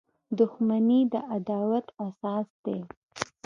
• دښمني د عداوت اساس دی.